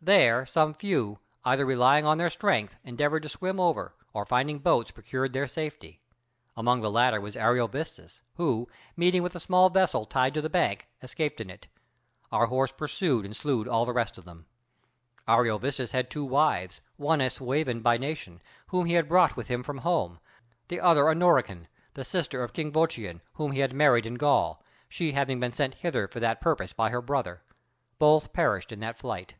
There some few, either relying on their strength, endeavored to swim over, or finding boats procured their safety. Among the latter was Ariovistus, who, meeting with a small vessel tied to the bank, escaped in it: our horse pursued and slew all the rest of them. Ariovistus had two wives, one a Suevan by nation, whom he had brought with him from home; the other a Norican, the sister of King Vocion, whom he had married in Gaul, she having been sent thither for that purpose by her brother. Both perished in that flight.